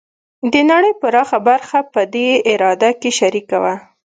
د نړۍ پراخه برخه په دې اراده کې شریکه وه.